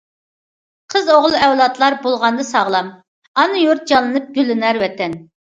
قىز- ئوغۇل ئەۋلادلار بولغاندا ساغلام، ئانا يۇرت جانلىنىپ، گۈللىنەر ۋەتەن.